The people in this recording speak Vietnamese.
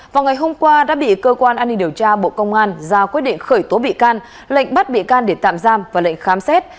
vào ngày hôm qua đã bị cơ quan an ninh điều tra bộ công an ra quyết định khởi tố bị can lệnh bắt bị can để tạm giam và lệnh khám xét